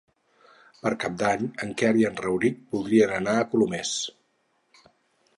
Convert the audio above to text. Per Cap d'Any en Quer i en Rauric voldrien anar a Colomers.